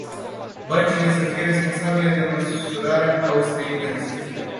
Băncile să fie responsabile de măsurarea austerității!